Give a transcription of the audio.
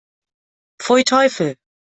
Pfui, Teufel!